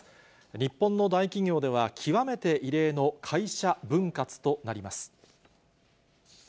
日本の大企業では、極めて異例の会社分割となります。